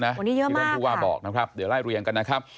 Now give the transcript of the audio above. วันนี้ท่านผู้ว่าบอกนะครับเดี๋ยวไล่เรียงกันนะครับ